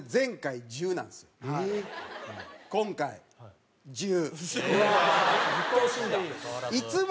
今回１０。